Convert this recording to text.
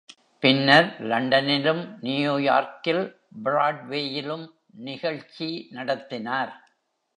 பின்னர் லண்டனிலும் நியூயார்க்கில் பிராட்வேயிலும் நிகழ்ச்சி நடத்தினார்